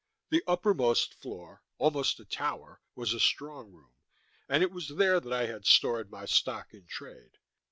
The uppermost floor almost a tower was a strong room, and it was there that I had stored my stock in trade.